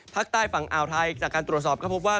ภาคใต้ฝั่งอ่าวไทยจากการตรวจสอบก็พบว่า